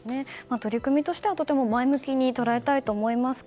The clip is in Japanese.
取り組みとしては前向きに捉えたいと思いますが